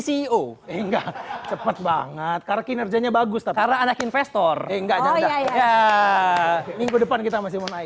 ceo enggak cepet banget karki kerjanya bagus karena anak investor enggak ya minggu depan kita